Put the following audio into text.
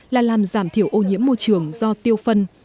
là làm giảm thiểu ô nhiễm môi trường do tiêu phân